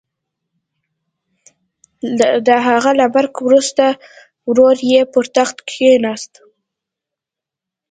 د هغه له مرګ وروسته ورور یې پر تخت کېناست.